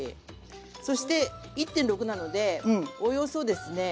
そして１．６なのでおよそですね